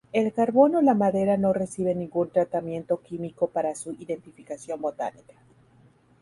El carbón o la madera no reciben ningún tratamiento químico para su identificación botánica.